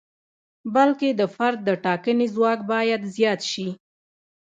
بلکې د فرد د ټاکنې ځواک باید زیات شي.